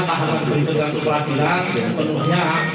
pak haram beritusan tuhu pradilan yang penuhnya